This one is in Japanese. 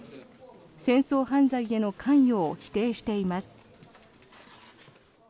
戦争犯罪への関与を否定しています。